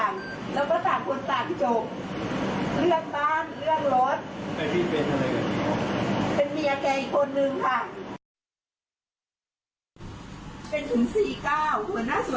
เมื่อป่วยก็มาปีนึงแล้วป่วยนี่สำหรับสาขาตัว